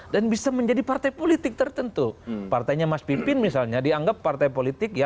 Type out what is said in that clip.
dan bisa menjadi partai politik ini menjadi penting dan bisa menjadi partai politik ini menjadi penting dalam politik kita